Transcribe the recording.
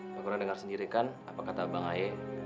lu pernah denger sendiri kan apa kata bang ae